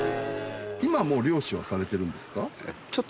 今も漁師はされてるんですか？